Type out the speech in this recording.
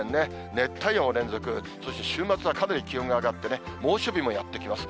熱帯夜も連続、そして週末はかなり気温が上がってね、猛暑日もやって来ます。